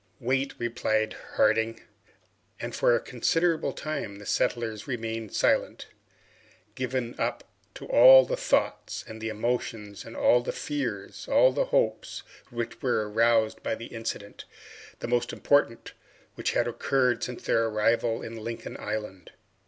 "Wait," replied Harding. And for a considerable time the settlers remained silent, given up to all the thoughts, and the emotions, all the fears, all the hopes, which were aroused by this incident the most important which had occurred since their arrival in Lincoln Island.